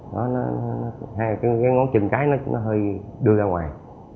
hai cái ngón chân trái nó hơi đưa ra ngoài